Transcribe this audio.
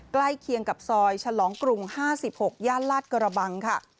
ใกล้เคียงกับซอยฉลองกรุง๕๖ย่านลาดกระบังค่ะ